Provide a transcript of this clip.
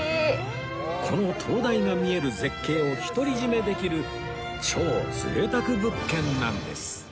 この灯台が見える絶景を独り占めできる超贅沢物件なんです